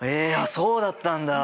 そうだったんだ。